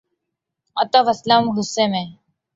آطف اسلم غصے میں